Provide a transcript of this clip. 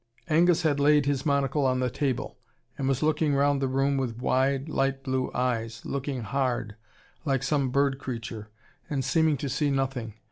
Angus had laid his monocle on the table, and was looking round the room with wide, light blue eyes, looking hard, like some bird creature, and seeming to see nothing.